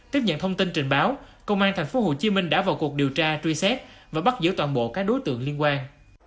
tiếp nhận thông tin trình báo công an tp hcm đã vào cuộc điều tra truy xét và bắt giữ toàn bộ các đối tượng liên quan